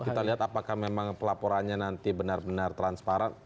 kita lihat apakah memang pelaporannya nanti benar benar transparan